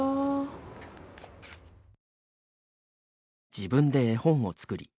自分で絵本を作り